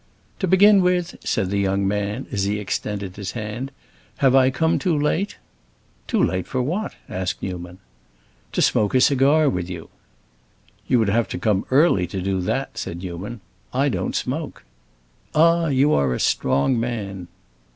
"To begin with," said the young man, as he extended his hand, "have I come too late?" "Too late for what?" asked Newman. "To smoke a cigar with you." "You would have to come early to do that," said Newman. "I don't smoke." "Ah, you are a strong man!"